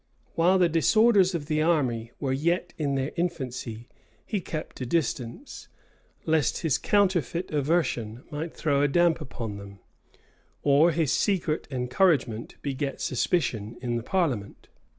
While the disorders of the army were yet in their infancy, he kept at a distance, lest his counterfeit aversion might throw a damp upon them, or his secret encouragement beget suspicion in the parliament.